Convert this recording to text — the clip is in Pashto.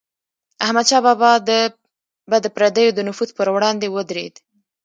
احمدشاه بابا به د پردیو د نفوذ پر وړاندې ودرید.